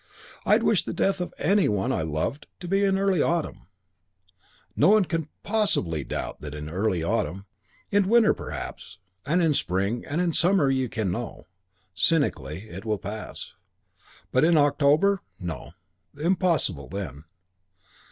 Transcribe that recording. I'd wish the death of any one I loved to be in early autumn. No one can possibly doubt in early autumn. In winter, perhaps; and in spring and in summer you can know, cynically, it will pass. But in October no. Impossible then.